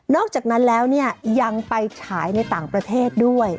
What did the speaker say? อกจากนั้นแล้วเนี่ยยังไปฉายในต่างประเทศด้วย